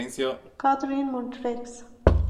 کاترین: مونټریکس.